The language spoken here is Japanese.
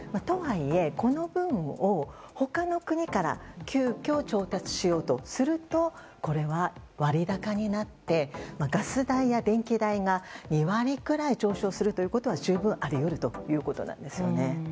とはいえ、この分を他の国から急きょ調達しようとすると割高になってガス代や電気代が２割くらい上昇するということは十分あり得るということです。